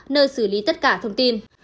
nơi xử lý tất cả thông tin